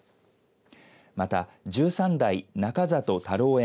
また、１３代中里太郎